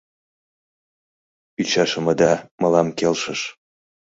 Ӱчашымыда мылам келшыш.